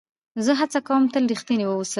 زه هڅه کوم تل رښتینی واوسم.